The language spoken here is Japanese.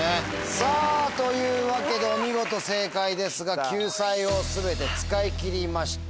さぁというわけでお見事正解ですが救済を全て使い切りました。